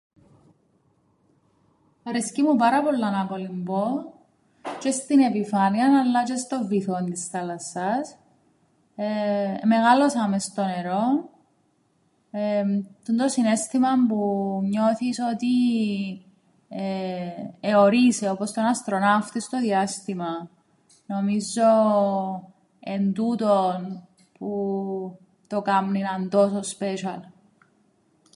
Αρέσκει μου πάρα πολλά να κολυμπώ τζ̆αι στην επιφάνειαν αλλά τζ̆αι στον βυθόν της θάλασσας, εεε εμεγάλωσα μες στο νερόν, τούντο συναίσθημαν που νιώθεις ότι αιωρείσαι όπως τον αστροναύτη στο διάστημαν νομίζω εν' τούτον που το κάμνει να 'ν' τόσο special.